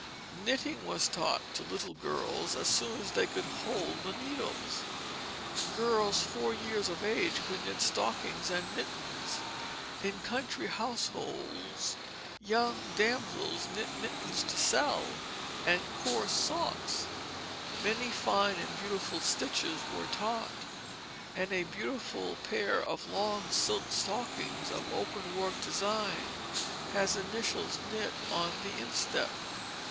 Knitting was taught to little girls as soon as they could hold the needles. Girls four years of age could knit stockings and mittens. In country households young damsels knit mittens to sell and coarse socks. Many fine and beautiful stitches were taught, and a beautiful pair of long silk stockings of open work design has initials knit on the instep.